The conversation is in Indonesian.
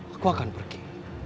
aku akan pergi